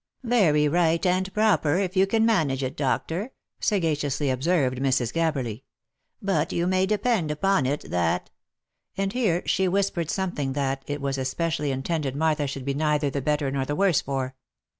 " Very right and proper if you can manage it, doctor," sagaciously observed Mrs. Gabberly. " But you may depend upon it, that —" and here she whispered something, that it was especially intended Martha should be neither the better nor the worse for.